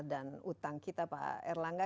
dan utang kita pak erlangga